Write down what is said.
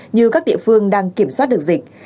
như các địa phương đang kiểm soát được dịch